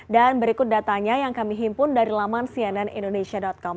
dan berikut datanya yang kami himpun dari laman cnn indonesia com